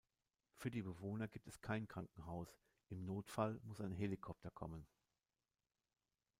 Für die Bewohner gibt es kein Krankenhaus, im Notfall muss ein Helikopter kommen.